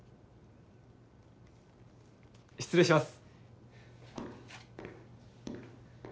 失礼します。